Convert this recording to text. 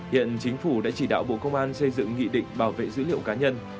hiện chính phủ đã chỉ đạo bộ công an xây dựng nghị định bảo vệ dữ liệu cá nhân